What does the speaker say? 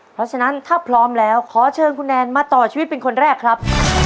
เพราะฉะนั้นถ้าพร้อมแล้วขอเชิญคุณแนนมาต่อชีวิตเป็นคนแรกครับ